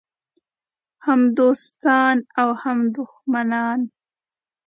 هم دوستان او هم دښمنان.